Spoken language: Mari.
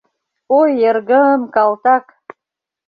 — Ой, эргым, калтак!..